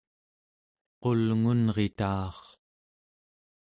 qulngunrita'ar